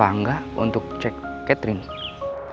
apa enggak untuk cek catherine